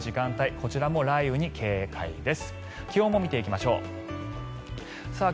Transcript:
こちらも雷雨に警戒です。